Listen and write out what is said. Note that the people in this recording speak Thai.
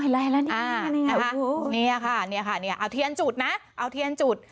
อ๋อเห็นไหมนี่นี่ค่ะเอาเทียนจุดนะเอาเทียนจุด